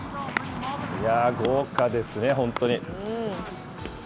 いやー、豪華ですね、本当に。